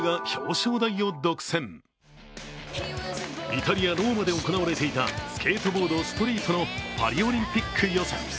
イタリア・ローマで行われていたスケートボード・ストリートのパリオリンピック予選。